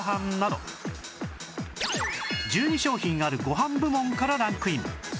１２商品あるご飯部門からランクイン